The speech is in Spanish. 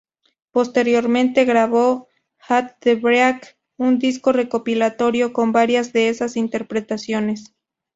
Posteriormente grabó "At the Break", un disco recopilatorio con varias de esas interpretaciones.